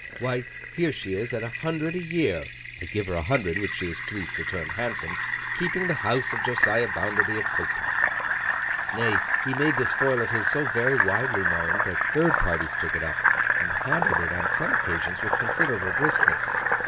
Why here she is at a hundred a year (I give her a hundred, which she is pleased to term handsome), keeping the house of Josiah Bounderby of Coketown!' Nay, he made this foil of his so very widely known, that third parties took it up, and handled it on some occasions with considerable briskness.